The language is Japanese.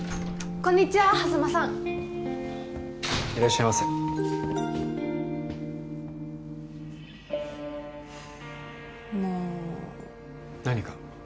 こんにちは波佐間さんいらっしゃいませもう何か？